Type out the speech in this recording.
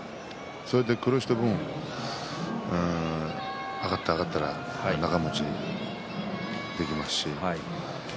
それで苦労した分上がって上がったら長もちできる。